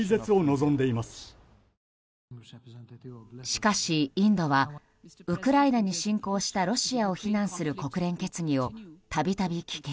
しかし、インドはウクライナに侵攻したロシアを非難する国連決議を度々、棄権。